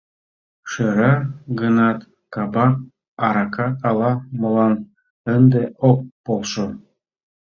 Шӧра гынат, кабак аракат ала-молан ынде ок полшо.